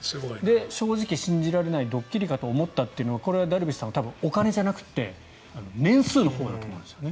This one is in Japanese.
正直信じられないドッキリかと思ったというのはこれはダルビッシュさんはお金じゃなくて年数のほうだと思うんですよね。